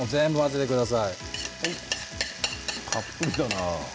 たっぷりだな。